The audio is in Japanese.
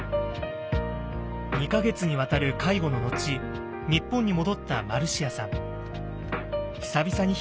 ２か月にわたる介護の後日本に戻ったマルシアさん。